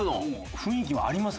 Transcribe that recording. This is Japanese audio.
雰囲気はあります